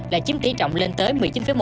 lại chiếm tỉ trọng lên tới một mươi chín một